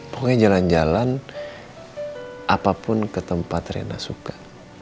pokoknya jalan jalan apapun ke tempat rena suka